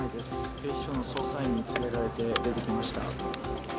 警視庁の捜査員に連れられて出てきました。